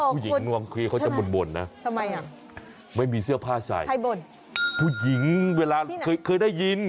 ผู้หญิงคือเขาจะบ่นนะไม่มีเสื้อผ้าใส่ผู้หญิงเวลาเคยได้ยิน